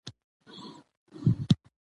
د اختر ورځ په کلي کې ډېره خوشحاله وي.